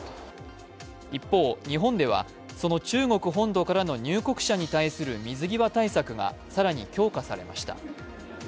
一方、日本ではその中国本土からの入国者に対する水際対策が更に強化されました。